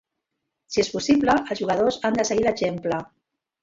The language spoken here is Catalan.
Si és possible, els jugadors han de seguir l'exemple.